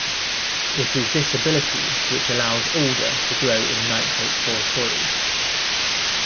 It is this ability which allows alder to grow in nitrate-poor soils.